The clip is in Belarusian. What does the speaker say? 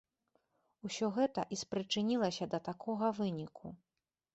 Усё гэта і спрычынілася да такога выніку.